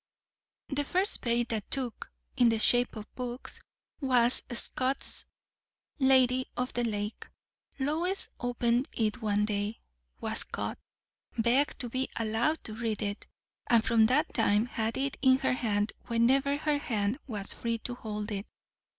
The first bait that took, in the shape of books, was Scott's "Lady of the Lake." Lois opened it one day, was caught, begged to be allowed to read it; and from that time had it in her hand whenever her hand was free to hold it.